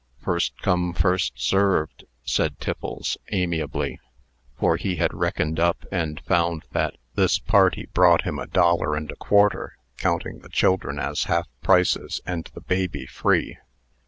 "First come, first served," said Tiffles, amiably, for he had reckoned up, and found that this party brought him a dollar and a quarter, counting the children as half prices, and the baby free.